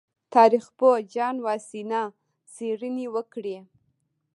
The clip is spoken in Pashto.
تاریخ پوه جان واسینا څېړنې وکړې.